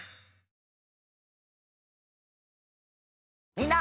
みんな。